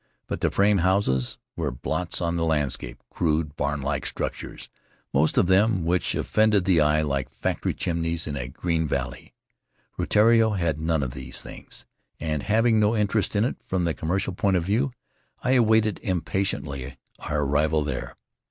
But the frame houses w blots on the landscape, crude, barnlike structures, most of them, which offend the eye like factory chimne in a green valley. Rutiaro had none of these things, and, having no interest in it from the commercial poi of view, I awaited impatiently our arrival there.